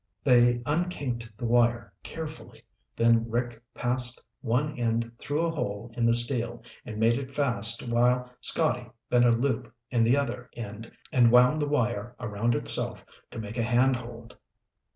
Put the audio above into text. They unkinked the wire carefully, then Rick passed one end through a hole in the steel and made it fast while Scotty bent a loop in the other end and wound the wire around itself to make a handhold.